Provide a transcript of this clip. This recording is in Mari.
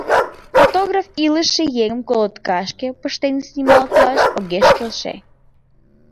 Фотограф илыше еҥым колоткашке пыштен сниматлаш огеш келше.